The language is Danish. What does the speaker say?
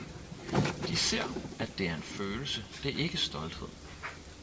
De ser at det er en følelse, det er ikke stolthed